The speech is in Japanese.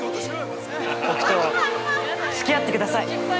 僕とつき合ってください！